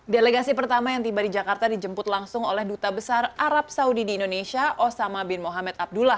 delegasi pertama yang tiba di jakarta dijemput langsung oleh duta besar arab saudi di indonesia osama bin mohamed abdullah